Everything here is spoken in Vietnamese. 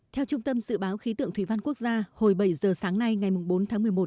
theo trung tâm dự báo khí tượng thủy văn quốc gia hồi bảy giờ sáng nay ngày bốn tháng một mươi một